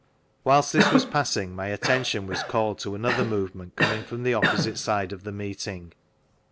Whilst this was passing, my attentioii was called to another movement coming from the opposite side of the meeting.